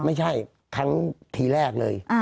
ไม่ใช่ครั้งทีแรกเลย